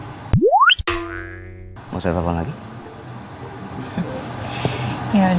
dan bella juga nggak mau bisa terus terusan bergantung sama saya dong